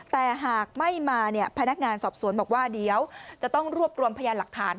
แต่หากไม่มาเนี่ยพนักงานสอบสวนบอกว่าเดี๋ยวจะต้องรวบรวมพยานหลักฐาน